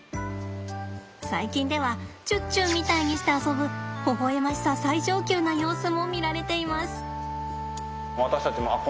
最近ではチュッチュみたいにして遊ぶほほ笑ましさ最上級な様子も見られています。